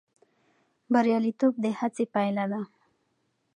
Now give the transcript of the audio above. بریالیتوب د هڅې پایله ده.